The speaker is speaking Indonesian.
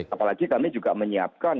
apalagi kami juga menyiapkan